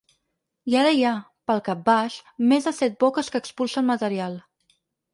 I ara hi ha, pel cap baix, més de set boques que expulsen material.